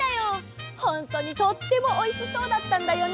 ホントにとってもおいしそうだったんだよね！